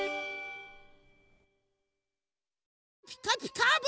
「ピカピカブ！」